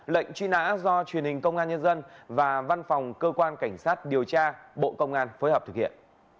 lệnh truy nã do truyền hình công an nhân dân và văn phòng cơ quan cảnh sát điều tra bộ công an phối hợp thực hiện